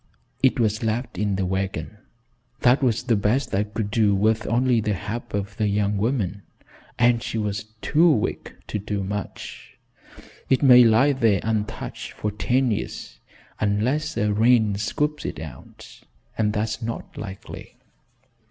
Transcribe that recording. It was left in the wagon. That was the best I could do with only the help of the young woman, and she was too weak to do much. It may lie there untouched for ten years unless a rain scoops it out, and that's not likely.